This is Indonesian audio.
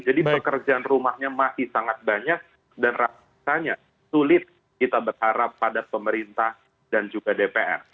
jadi pekerjaan rumahnya masih sangat banyak dan rasanya sulit kita berharap pada pemerintah dan juga dpr